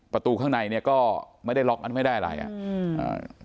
ประตูข้างในเนี้ยก็ไม่ได้ล็อกอันไม่ได้อะไรอ่ะอืมอ่า